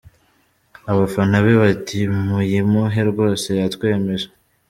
Abafana be bati 'Muyimuhe rwose yatwemeje'.